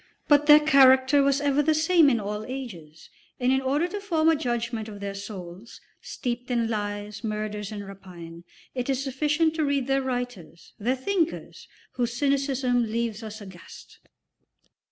But their character was ever the same in all ages, and in order to form a judgment of their souls, steeped in lies, murders, and rapine, it is sufficient to read their writers, their thinkers, whose cynicism leaves us aghast.